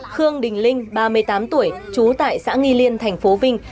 khương đình linh ba mươi tám tuổi trú tại xã nghi liên thành phố vinh